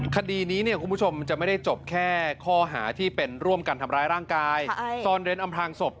พอดีนี้ผู้ชมมันจะไม่ได้จบแค่ข้อหาที่เป็นร่วมการทำร้ายร่างกายซ่อนเต้นอำคราวฆ่าโซบ